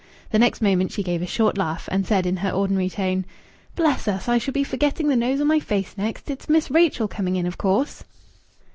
The next moment she gave a short laugh, and said in her ordinary tone "Bless us! I shall be forgetting the nose on my face next. It's Miss Rachel coming in, of course."